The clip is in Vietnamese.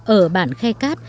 ở bản khe cát